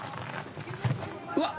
うわっ！